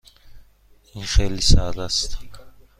این خیلی سرد است.